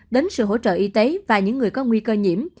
đến sự hỗ trợ y tế và những người có nguy cơ nhiễm